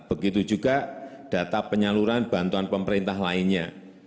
begitu juga data penyaluran bantuan pemerintah lainnya